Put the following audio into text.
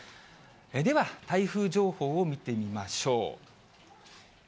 では台風情報を見てみましょう。